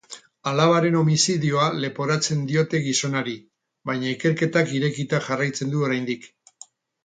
Alabaren homizidioa leporatzen diote gizonari, baina ikerketak irekita jarraitzen du oraindik.